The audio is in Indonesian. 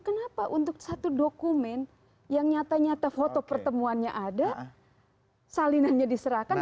kenapa untuk satu dokumen yang nyata nyata foto pertemuannya ada salinannya diserahkan